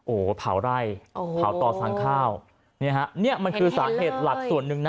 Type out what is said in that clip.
โอ้โหเผาไร่เผาต่อสั่งข้าวเนี่ยฮะเนี่ยมันคือสาเหตุหลักส่วนหนึ่งนะ